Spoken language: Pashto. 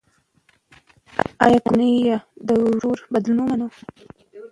ایا کورنۍ یې د ورور بدلون ومنه؟